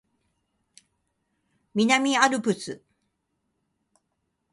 南アルプス